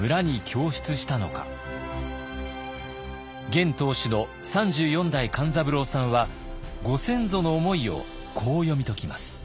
現当主の３４代勘三郎さんはご先祖の思いをこう読み解きます。